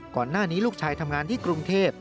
ก่อนหน้านี้ลูกชายทำงานที่กรุงเทพ